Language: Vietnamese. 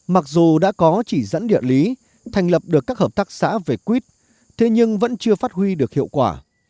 mặc dù đã có chỉ dẫn địa lý thành lập được các hợp tác xã về quýt thế nhưng vẫn chưa phát huy được hiệu quả